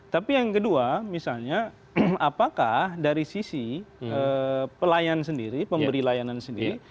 tapi yang kedua misalnya apakah dari sisi pelayan sendiri pemberi layanan sendiri